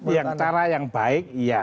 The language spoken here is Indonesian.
yang cara yang baik iya